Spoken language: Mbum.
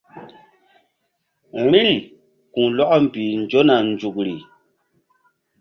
Vbi̧ri ku̧lɔkɔ mbih nzona nzukri.